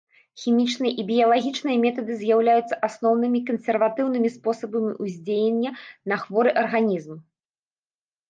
Хімічныя і біялагічныя метады з'яўляюцца асноўнымі кансерватыўнымі спосабамі ўздзеяння на хворы арганізм.